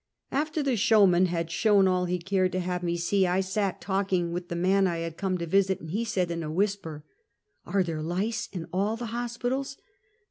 After the showman had shown all he cared to have me see, I sat talking with the man I had come to vis it, and he said, in a whisper: " Are tliere lice in all the hospitals?"